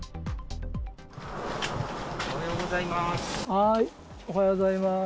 きょう、おはようございます。